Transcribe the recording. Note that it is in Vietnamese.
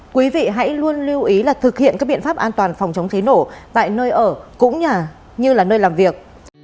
quý vị hãy luôn lưu ý là thực hiện các biện pháp an toàn phòng chống cháy nổ tại nơi ở cũng như là nơi làm việc